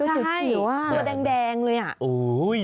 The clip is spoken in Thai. ใช่ตัวแดงเลย